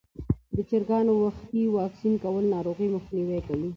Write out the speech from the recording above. د چرګانو وختي واکسین کول ناروغۍ مخنیوی کوي.